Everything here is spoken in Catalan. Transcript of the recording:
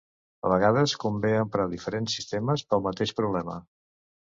A vegades convé emprar diferents sistemes pel mateix problema.